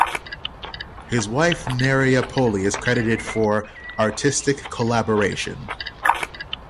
His wife Neria Poli is credited for "artistic collaboration".